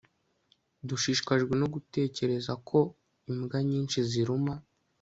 Dushishikajwe no gutekereza ko imbwa nyinshi ziruma